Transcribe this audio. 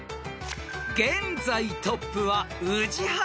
［現在トップは宇治原ペア］